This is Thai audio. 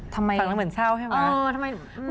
ฟังละเหมือนเศร้าใช่ไหม